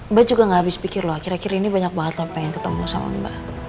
mbak juga gak habis pikir loh akhir akhir ini banyak banget pengen ketemu sama mbak